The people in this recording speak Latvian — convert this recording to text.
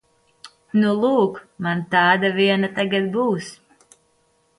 Nu lūk, man tāda viena tagad būs.